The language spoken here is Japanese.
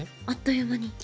あっという間に。